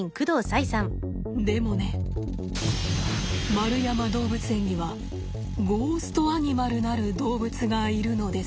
円山動物園にはゴーストアニマルなる動物がいるのです。